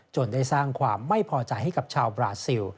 ได้สร้างความไม่พอใจให้กับชาวบราซิล